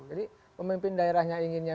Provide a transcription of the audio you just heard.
jadi pemimpin daerahnya inginnya